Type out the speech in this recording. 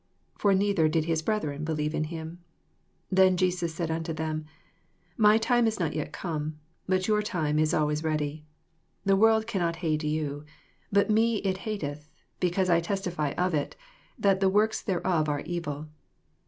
6 For neither did his brethren be lieve in him. 6 Then Jesus said unto them, My time is not yet come: but your time is alway ready. 7 The world cannot hate yon; but me it hatefh, because I testify of lt» that the works thereof are evil.